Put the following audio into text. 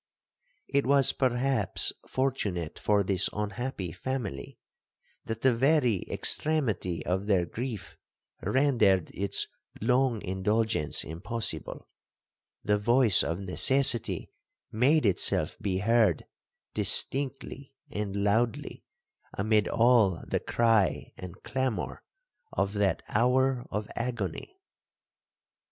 'It was perhaps fortunate for this unhappy family, that the very extremity of their grief rendered its long indulgence impossible,—the voice of necessity made itself be heard distinctly and loudly amid all the cry and clamour of that hour of agony.